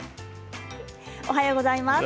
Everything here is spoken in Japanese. おはようございます。